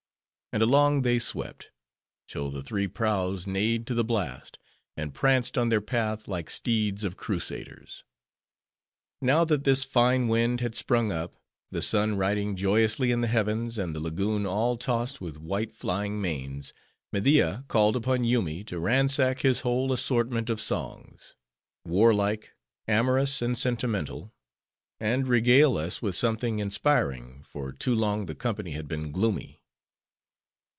And along they swept; till the three prows neighed to the blast; and pranced on their path, like steeds of Crusaders. Now, that this fine wind had sprung up; the sun riding joyously in the heavens; and the Lagoon all tossed with white, flying manes; Media called upon Yoomy to ransack his whole assortment of songs:—warlike, amorous, and sentimental,—and regale us with something inspiring for too long the company had been gloomy.